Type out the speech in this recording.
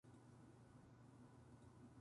トマトが高い。